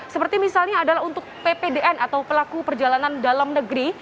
seperti misalnya adalah untuk ppdn atau pelaku perjalanan dalam negeri